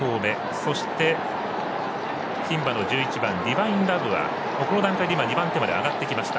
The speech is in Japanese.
そして、牝馬の１１番ディヴァインラヴはここの段階で２番手まで上がってきました。